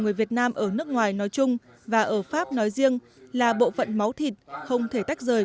người việt nam ở nước ngoài nói chung và ở pháp nói riêng là bộ phận máu thịt không thể tách rời